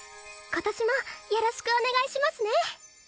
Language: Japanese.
今年もよろしくお願いしますね！